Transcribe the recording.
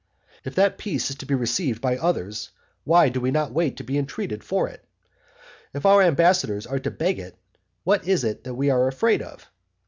If that peace is to be received by others, why do we not wait to be entreated for it? If our ambassadors are to beg it, what is it that we are afraid of?